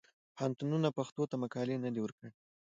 پوهنتونونه پښتو ته مقاله نه ده ورکړې.